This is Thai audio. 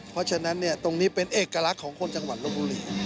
เพราะฉะนั้นตรงนี้เป็นเอกลักษณ์ของคนจังหวัดลบบุรี